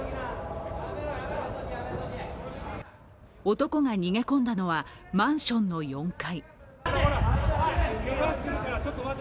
男が逃げ込んだのはマンションの４階。